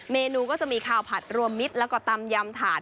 เมนูก็จะมีข้าวผัดรวมมิตรแล้วก็ตำยำถาด